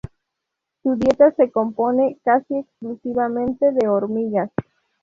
Su dieta se compone casi exclusivamente de hormigas.